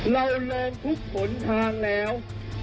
เราแรงทุกผลทางแล้ว